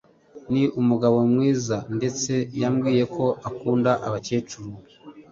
Ni umugabo mwiza ndetse yambwiye ko akunda abakecuru